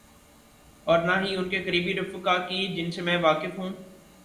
اورنہ ہی ان کے قریبی رفقا کی، جن سے میں واقف ہوں۔